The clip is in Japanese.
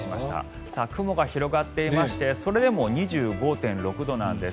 雲が広がっていましてそれでも２５．６度なんです。